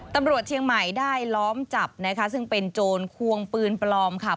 ตำรวจเชียงใหม่ได้ล้อมจับนะคะซึ่งเป็นโจรควงปืนปลอมค่ะ